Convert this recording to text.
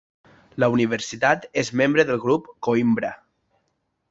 La universitat és membre del Grup Coïmbra.